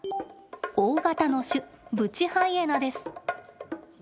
大型の種、ブチハイエナです。